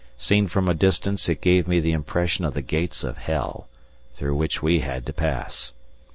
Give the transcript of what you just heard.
Seen from a distance it gave me the impression of the gates of hell, through which we had to pass.